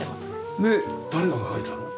で誰が描いたの？